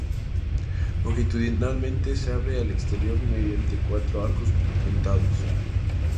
Longitudinalmente se abre al exterior mediante cuatro arcos apuntados.